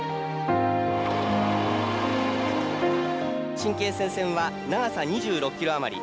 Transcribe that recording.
新京成線は長さ２６キロ余り。